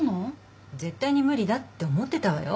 絶対に無理だって思ってたわよ。